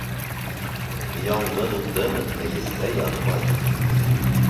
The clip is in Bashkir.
Яңғыҙ утын мейестә янмай.